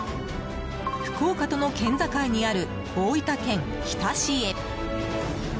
福岡との県境にある大分県日田市へ。